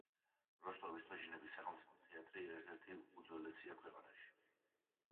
როსტოვის თოჯინების სახელმწიფო თეატრი ერთ-ერთი უძველესია ქვეყანაში.